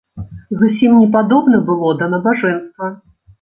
Зусім не падобна было да набажэнства.